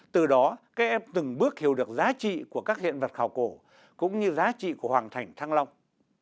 từ đó các em từng bước hiểu được giá trị của các hiện vật khảo cổ cũng như giá trị của hoàng thành thăng long